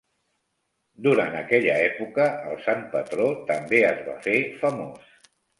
Durant aquella època, el sant patró també es va fer famós.